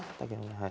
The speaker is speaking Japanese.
はい。